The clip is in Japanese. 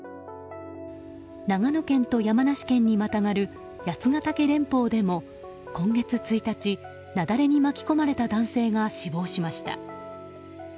長野県と山梨県にまたがる八ケ岳連峰でも今月１日、雪崩に巻き込まれた男性が死亡しました。